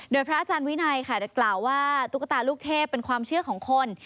โดยพระอาจารย์วินัยค่ะกล่าวว่าตุ๊กตาลูกเทพเป็นความเชื่อของคน